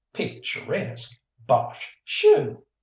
Picturesque! Bosh! Shoo!"